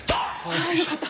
あよかった。